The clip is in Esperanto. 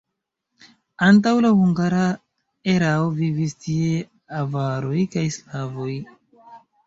Antaŭ la hungara erao vivis tie avaroj kaj slavoj.